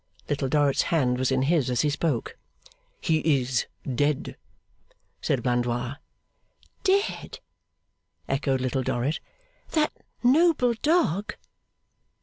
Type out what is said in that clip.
Little Dorrit's hand was in his, as he spoke. 'He is dead,' said Blandois. 'Dead?' echoed Little Dorrit. 'That noble dog?